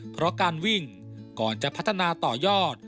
เพราะการวิ่งก่อนจะพัฒนาต่อยอด